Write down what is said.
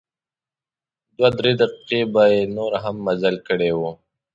دوه درې دقیقې به مې نور هم مزل کړی و.